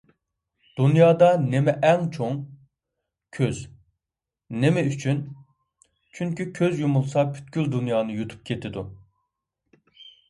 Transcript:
_ دۇنيادا نېمە ئەڭ چوڭ؟ _ كۆز. _ نېمە ئۈچۈن؟ _ چۈنكى كۆز يۇمۇلسا، پۈتكۈل دۇنيانى يۇتۇپ كېتىدۇ